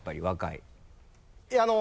いやあの。